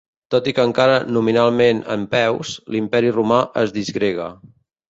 Tot i que encara nominalment en peus, l'Imperi romà es disgrega.